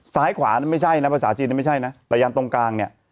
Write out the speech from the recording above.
ซ้ายขวานี่ไม่ใช่นะภาษาจีนไม่ใช่นะแต่ยันตรงกลางเนี่ย